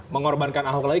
mengorbankan ahok lagi